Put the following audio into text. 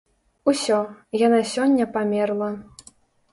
Усё, яна сёння памерла.